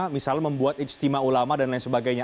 misalnya membuat ijtima ulama dan lain sebagainya